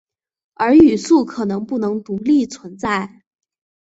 而语素可能不能独立存在。